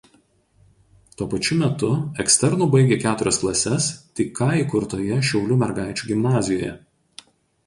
Tuo pačiu metu eksternu baigė keturias klases tik ką įkurtoje Šiaulių mergaičių gimnazijoje.